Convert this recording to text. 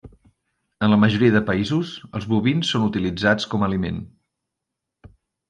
En la majoria de països, els bovins són utilitzats com a aliment.